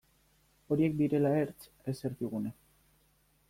Horiek direla ertz, ez erdigune.